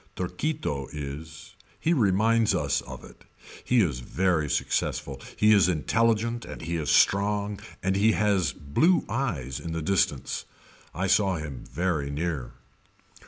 Torquito is. He reminds us of it. He is very successful. He is intelligent and he is strong and he has blue eyes in the distance. I saw him very near.